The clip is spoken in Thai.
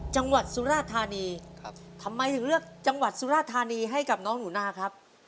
จังหวัดสุราธานีครับทำไมถึงเลือกจังหวัดสุราธานีให้กับน้องหนูนาครับ